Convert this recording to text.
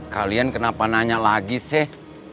kalian kenapa nanya lagi sih